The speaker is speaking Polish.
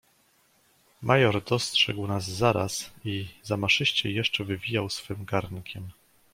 "Major dostrzegł nas zaraz i zamaszyściej jeszcze wywijał swym garnkiem."